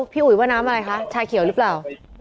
พี่อุ๋ยว่าน้ำอะไรคะชาเขียวหรือเปล่า